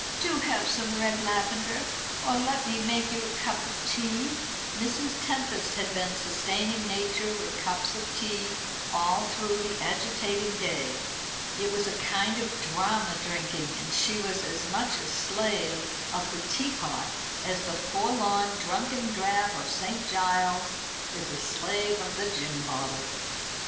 "Do have some red lavender. Or let me make you a cup of tea." Mrs. Tempest had been sustaining nature with cups of tea all through the agitating day. It was a kind of drama drinking, and she was as much a slave of the teapot as the forlorn drunken drab of St. Giles's is a slave of the gin bottle.